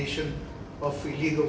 proyek ikan secara ilegal